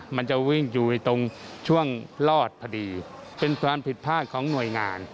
มันจะวิ่งอยู่ตรงช่วงรอดพอดีเป็นความผิดพลาดของหน่วยงาน